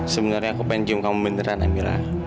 sebenarnya aku mau cium kamu beneran amira